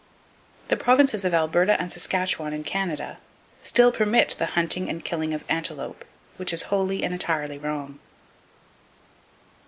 The Provinces of Alberta and Saskatchewan, in Canada, still permit the hunting and killing of antelope; which is wholly and entirely wrong.